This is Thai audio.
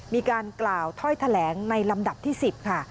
มีการกล่าวถ้อยแถลงในลำดับที่๑๐ค่ะ